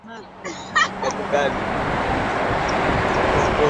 mkulima anaweza kuvuna viazi kwa mara moja